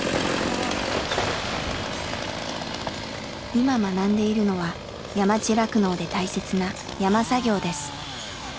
今学んでいるのは山地酪農で大切な山作業です。